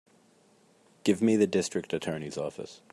Give me the District Attorney's office.